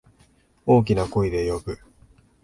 大きな声で呼ぶ。